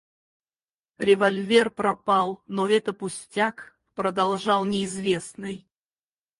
Револьвер пропал, но это пустяк, - продолжал неизвестный.